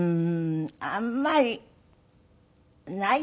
あんまりない。